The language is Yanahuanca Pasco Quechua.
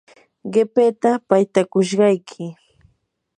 qipita paytakushayki.